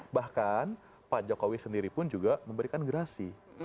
bahkan pak jokowi sendiri pun juga memberikan gerasi